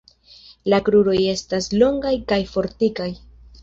La kruroj estas longaj kaj fortikaj.